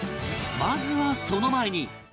まずはその前に